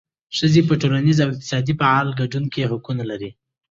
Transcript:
ښځې په ټولنیز او اقتصادي فعال ګډون کې حقونه لري.